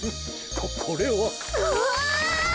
ここれは。うお！え！？